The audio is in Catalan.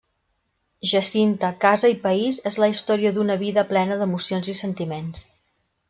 Jacinta, casa i país és la història d'una vida plena d'emocions i sentiments.